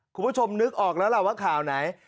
คุณผู้ชมนึกออกแล้วล่ะว่าข่าวไหน